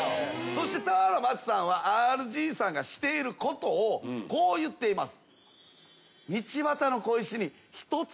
そして俵万智さんはＲＧさんがしていることをこう言っています。